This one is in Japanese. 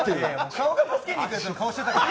顔が助けに行く顔してたから。